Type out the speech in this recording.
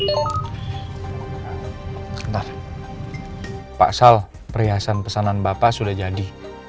sebentar pak sal perhiasan pesanan bapak sudah jadi